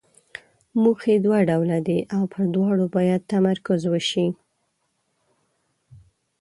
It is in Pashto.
موخې دوه ډوله دي او پر دواړو باید تمرکز وشي.